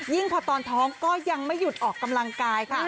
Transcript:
พอตอนท้องก็ยังไม่หยุดออกกำลังกายค่ะ